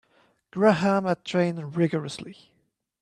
Graham had trained rigourously.